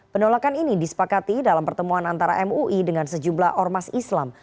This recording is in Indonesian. penolakan ini disepakati dalam pertemuan antara mui dengan sejumlah ormas islam